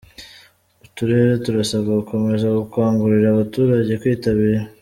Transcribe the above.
Uturere turasabwa gukomeza gukangurira abaturage kwitabira